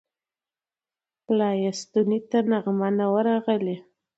لا یې ستوني ته نغمه نه وه راغلې